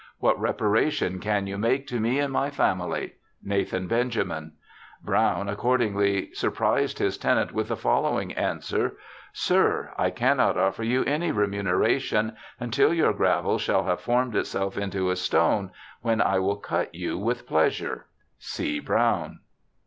What reparation can you make to me and my family ? Nathan Benjamin. 48 BIOGRAPHICAL ESSAYS Brown accordingly surprised his tenant with the following answer : Sir, — I cannot offer you any remuneration until your gravel shall have formed itself into a stone, when 1 will cut you with pleasure. C. Brown.